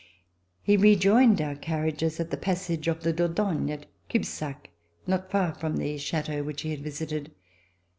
He rejoined our carriages at the passage of the Dordogne, at Cubzac, not far from the chateau which he had visited.